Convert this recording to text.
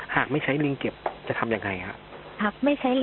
หากไม่ใช้ลิงเก็บจะทำยังไงครับ